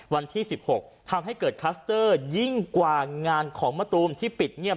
วันที่๑๖ทำให้เกิดคลัสเตอร์ยิ่งกว่างานของมะตูมที่ปิดเงียบ